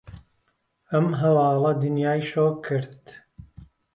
ئەم هەواڵە دنیای شۆک کرد.